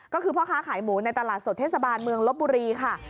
ก็คือพ่อค้าขายหมูในตลาดสดเทศบาลเมืองลบบุรีค่ะ